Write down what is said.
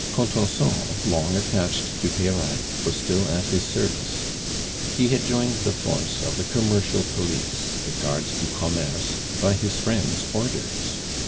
Contenson, long attached to Peyrade, was still at his service. He had joined the force of the commercial police (the Gardes du Commerce) by his friend's orders.